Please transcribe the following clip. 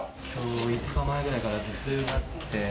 ５日前ぐらいから頭痛があって。